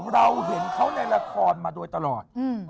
เราเห็นเขาในละครมาโดยตลอด